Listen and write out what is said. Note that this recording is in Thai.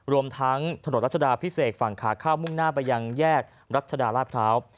รวมทั้งถนนรัชดาพิเศษฝั่งขาเข้ามุ่งหน้าไปยังแยกรัชดาราชพร้าว